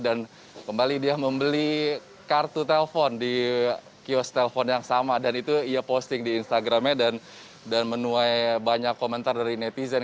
dan kembali dia membeli kartu telpon di kiosk telpon yang sama dan itu ia posting di instagramnya dan menuai banyak komentar dari netizen